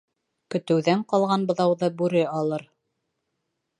Көтөүҙән ҡалған быҙауҙы бүре алыр.